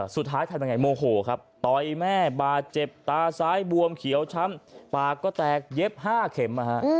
ทำยังไงโมโหครับต่อยแม่บาดเจ็บตาซ้ายบวมเขียวช้ำปากก็แตกเย็บ๕เข็ม